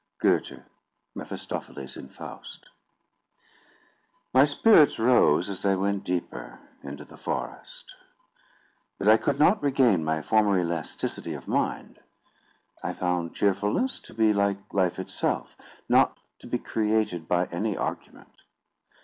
GOETHE.—Mephistopheles in Faust. My spirits rose as I went deeper; into the forest; but I could not regain my former elasticity of mind. I found cheerfulness to be like life itself—not to be created by any argument.